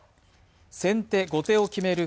先手後手を決める